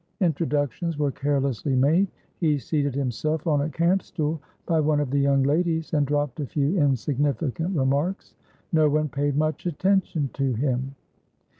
Introductions were carelessly made; he seated himself on a camp stool by one of the young ladies, and dropped a few insignificant remarks. No one paid much attention to him.